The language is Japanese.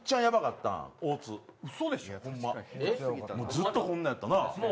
ずっとこんなやったな。